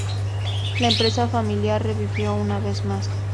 La empresa familiar revivió una vez más.